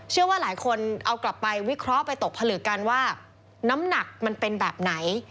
เชื่อว่าหลายคนเอากลับไปวิเคราะห์ไปตกผลึกกันว่าน้ำหนักมันเป็นแบบไหน